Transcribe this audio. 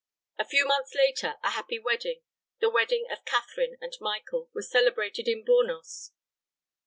A few months later a happy wedding, the wedding of Catherine and Michael, was celebrated in Bornos.